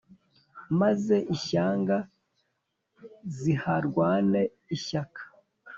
Maze ishyanga ziharwane ishyaka